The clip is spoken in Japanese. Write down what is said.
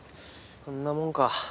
こんなもんか。